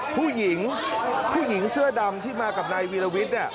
ผู้หญิงผู้หญิงเสื้อดำที่มากับนายวีรวิทย์